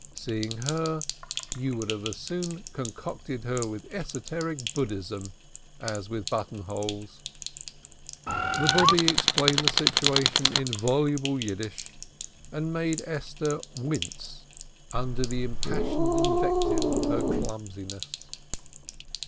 Seeing her, you would have as soon connected her with Esoteric Buddhism as with buttonholes. The Bube explained the situation in voluble Yiddish, and made Esther wince again under the impassioned invective on her clumsiness.